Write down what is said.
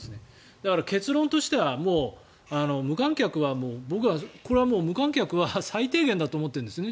だから結論としては無観客はこれは最低限だと思ってるんですね。